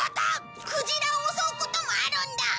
クジラを襲うこともあるんだ。